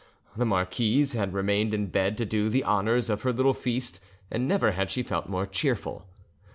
The marquise had remained in bed to do the honours of her little feast, and never had she felt more cheerful.